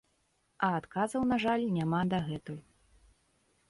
А адказаў, на жаль, няма дагэтуль.